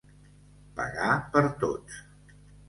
Pagar per tots.